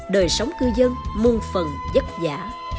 đời sống cư dân muôn phần giấc giả